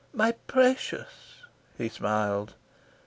"My precious," he smiled.